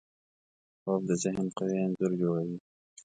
خوب د ذهن قوي انځور جوړوي